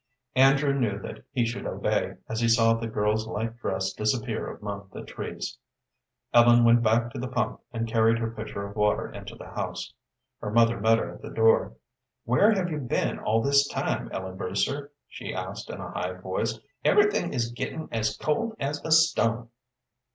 Andrew knew that he should obey, as he saw the girl's light dress disappear among the trees. Ellen went back to the pump, and carried her pitcher of water into the house. Her mother met her at the door. "Where have you been all this time, Ellen Brewster?" she asked, in a high voice. "Everything is getting as cold as a stone."